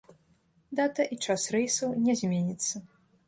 Дата і час рэйсаў не зменіцца.